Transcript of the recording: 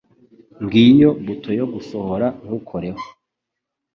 Ngiyo buto yo gusohora. Ntukoreho.